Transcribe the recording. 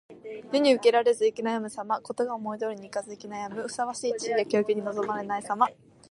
世に受け入れられず行き悩むさま。事が思い通りにいかず行き悩み、ふさわしい地位や境遇に恵まれないさま。